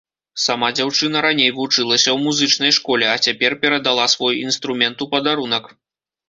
Сама дзяўчына раней вучылася ў музычнай школе, а цяпер перадала свой інструмент у падарунак.